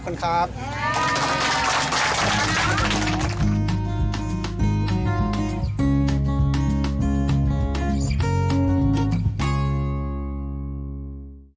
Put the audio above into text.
โปรดติดตามตอนต่อไป